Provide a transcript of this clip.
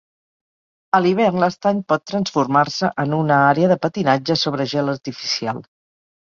A l'hivern, l'estany pot transformar-se en una àrea de patinatge sobre gel artificial.